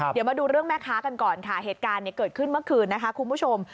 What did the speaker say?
เดี๋ยวมาดูเรื่องแม่ค้ากันก่อนค่ะเหตุการณ์เกิดขึ้นเมื่อคืนนะคะคุณผู้ชม